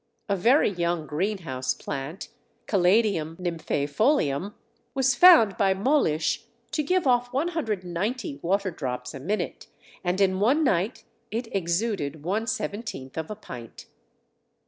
A very young greenhouse plant (Caladium nymphaefolium) was found by Molisch to give off 190 water drops a minute, and in one night it exuded one seventeenth of a pint.